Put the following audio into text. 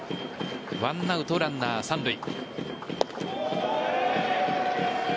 １アウトランナー三塁。